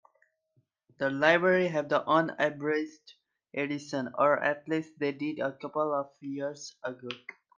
The library have the unabridged edition, or at least they did a couple of years ago.